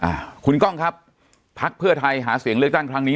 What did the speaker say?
อ่าคุณกล้องครับพักเพื่อไทยหาเสียงเลือกตั้งครั้งนี้